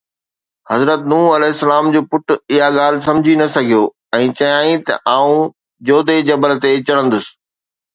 حضرت نوح عليه السلام جو پٽ اها ڳالهه سمجهي نه سگهيو ۽ چيائين ته ”آئون جودي جبل تي چڙهندس.